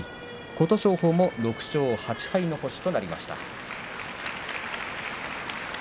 琴勝峰も６勝８敗の星となりました。